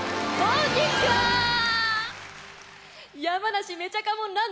山梨めちゃかもん